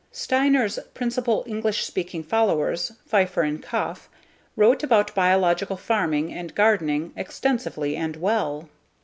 Steiner's principal English speaking followers, Pfeiffer and Koepf, wrote about biological farming and gardening extensively and well.